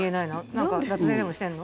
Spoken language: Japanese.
なんか脱税でもしてんの？